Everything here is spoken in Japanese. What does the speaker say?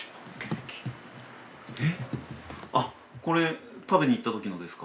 これ食べにいったときのですか？